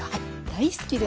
大好きです！